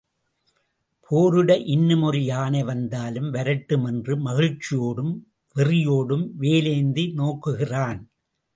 போரிட இன்னுமொரு யானை வந்தாலும் வரட்டுமென்று மகிழ்ச்சியோடும், வெறியோடும் வேலேந்தி நோக்குகிறான்.